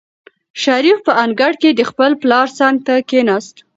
شریف په انګړ کې د خپل پلار څنګ ته کېناست.